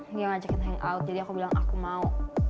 dia ngajakin hangout jadi aku bilang aku mau